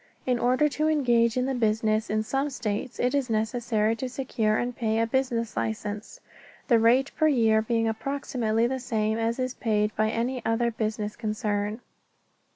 In order to engage in the business, in some states it is necessary to secure and pay a business license, the rate per year being approximately the same as is paid by any other business concern.